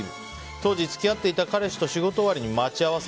当時付き合っていた彼氏と仕事終わりに待ち合わせ。